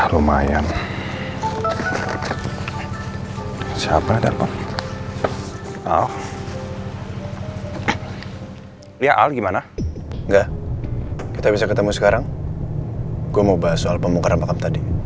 ya al gimana enggak kita bisa ketemu sekarang gua mau bahas soal pemukaran makam tadi ya al gimana enggak kita bisa ketemu sekarang gua mau bahas soal pemukaran makam tadi